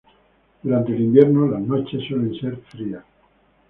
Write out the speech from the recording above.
Durante el invierno las noches suelen ser frías.